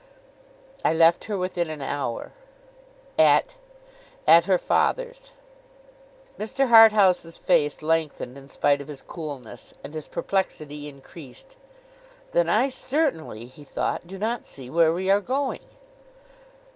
'I left her within an hour.' 'At—!' 'At her father's.' Mr. Harthouse's face lengthened in spite of his coolness, and his perplexity increased. 'Then I certainly,' he thought, 'do not see where we are going.